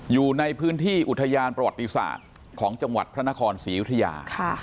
อยู่ในพื้นที่อุทยานประวัติศาสตร์ของจังหวัดพระนครศรีอยุธยา